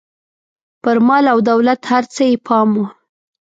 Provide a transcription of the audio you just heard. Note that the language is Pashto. پر مال او دولت هر څه یې پام و.